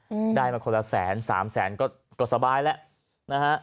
อืมได้มาคนละแสนสามแสนก็ก็สบายแล้วนะฮะ